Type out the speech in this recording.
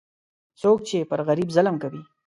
څوک چې پر غریب ظلم کوي،